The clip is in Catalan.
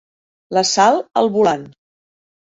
La Sal al volant.